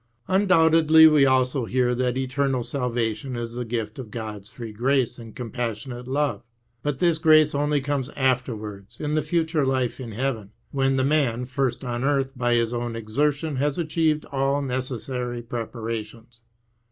Undoubtedly we also hear that eternal salvation is the i:;ift of God's free grace and compassionate love. But this grace only comes afterwards in the future life in heaven, when the man first on earth by his own exertion has achieved all necessary preparations.